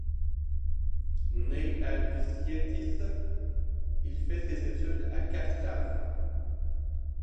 Né à Vyšetice, il fait ses études à Čáslav.